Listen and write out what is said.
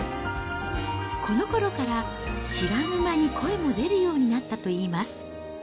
このころから、知らぬ間に声も出るようになったといいます。